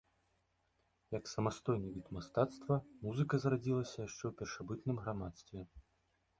Як самастойны від мастацтва музыка зарадзілася яшчэ ў першабытным грамадстве.